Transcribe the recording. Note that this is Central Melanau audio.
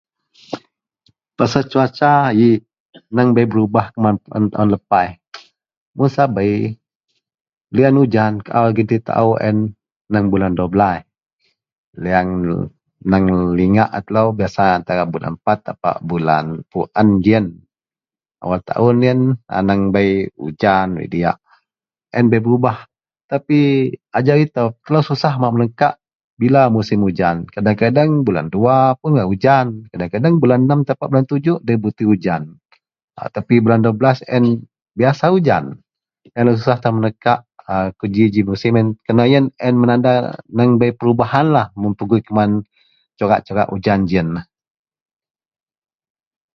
Pasel cuaca yik neng bei berubah kuman taun lepas. Mun sabei liyan ujan kaau agei taou yen neng bulan duwa belaih. Liyan neng lingak laei telou biasa antara bulan empat tapak peluen jiyen giyen. Awel taun yen aneng bei ujan bei diyak. A yen bei berubah tapi ajau itou telou susah bak menekak bila musim ujan. Kadeng-kadeng bulan duwa pun bei ujan. Kadeng-kadeng bulan nem tapak bulan tujuk ndabei bereti ujan tapi bulan dua belaih a ayen biasa ujan. Yenlah susah tan menekak a kuji-ji musim yen kerena yen a yen menanda neng bei perubahanlah mun pegui kuman curak-curak ujan jiyenlah